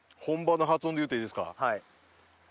はい。